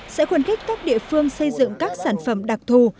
sẽ khuyến khích các địa phương xây dựng các sản phẩm đặc thù